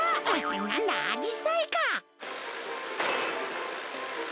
なんだアジサイか。